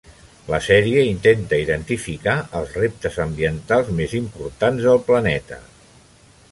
La sèrie intenta identificar els reptes ambientals més importants del planeta.